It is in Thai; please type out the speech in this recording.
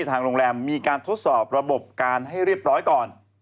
ทางโรงแรมมีการทดสอบระบบการให้เรียบร้อยก่อน